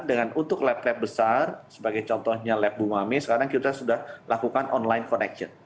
karena untuk lab lab besar sebagai contohnya lab bumami sekarang kita sudah lakukan online connection